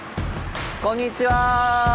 こんにちは。